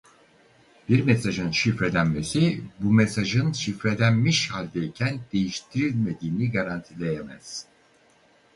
Bir mesajın şifrelenmesi bu mesajın şifrelenmiş haldeyken değiştirilmediğini garantileyemez.